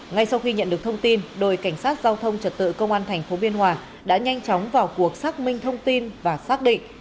ngay sau khi nhận được thông tin đội cảnh sát giao thông trật tự công an tp biên hòa đã nhanh chóng vào cuộc xác minh thông tin và xác định